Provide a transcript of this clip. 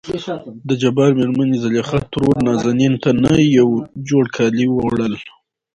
دجبار مېرمنې زليخا ترور نازنين ته نه يو جوړ کالي وړل.